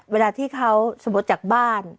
เวลาที่เขาสมมุติจากบ้าน